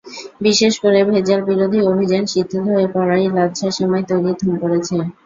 বিশেষ করে ভেজালবিরোধী অভিযান শিথিল হয়ে পড়ায় লাচ্ছা সেমাই তৈরির ধুম পড়েছে।